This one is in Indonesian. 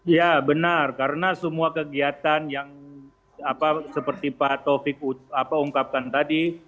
ya benar karena semua kegiatan yang seperti pak taufik ungkapkan tadi